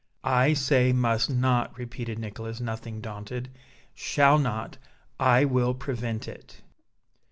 "I say must not," repeated Nicholas, nothing daunted; "shall not, I will prevent it."